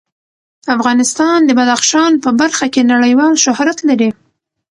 افغانستان د بدخشان په برخه کې نړیوال شهرت لري.